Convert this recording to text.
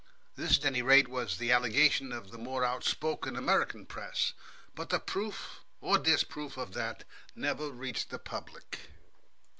This, at any rate, was the allegation of the more outspoken American press. But the proof or disproof of that never reached the public.